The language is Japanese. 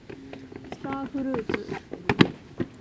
スターフルーツ